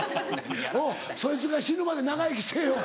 そいつが死ぬまで長生きせぇよ。